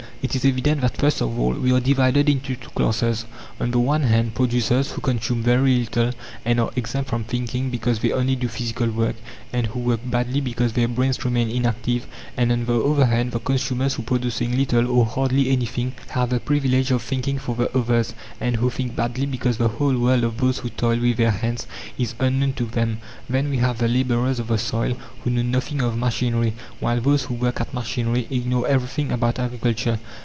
It is evident that, first of all, we are divided into two classes: on the one hand, producers, who consume very little and are exempt from thinking because they only do physical work, and who work badly because their brains remain inactive; and on the other hand, the consumers, who, producing little or hardly anything, have the privilege of thinking for the others, and who think badly because the whole world of those who toil with their hands is unknown to them. Then, we have the labourers of the soil who know nothing of machinery, while those who work at machinery ignore everything about agriculture.